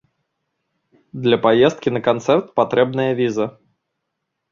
Для паездкі на канцэрт патрэбная віза.